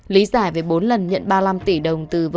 lý giải về bốn lần nhận ba mươi năm tỷ đồng từ vợ